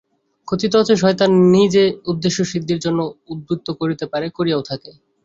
কথিত আছে, শয়তান নিজ উদ্দেশ্যসিদ্ধির জন্য উদ্ধৃত করিতে পারে, করিয়াও থাকে।